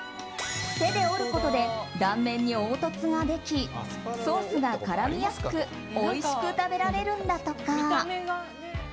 手で折ることで断面に凹凸ができソースが絡みやすくおいしく食べられるんだとか。